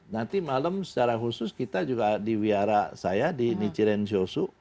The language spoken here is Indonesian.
nanti malam secara khusus kita juga di wiara saya di nichiren shosu